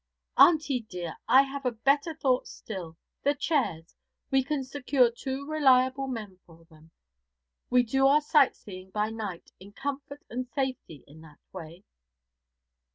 'Auntie dear, I have a better thought still the chairs. We can secure two reliable men for them, and do our sight seeing by night in comfort and safety in that way.'